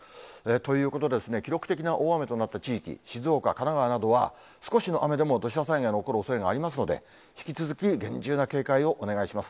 ということで、記録的な大雨となった地域、静岡、神奈川などは、少しの雨でも土砂災害が起こるおそれがありますので、引き続き、厳重な警戒をお願いします。